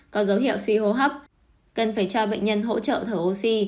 có dấu hiệu suy hô hấp cần phải cho bệnh nhân hỗ trợ thở oxy